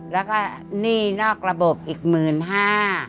แล้วก็หนี้นอกระบบอีกหมื่นห้า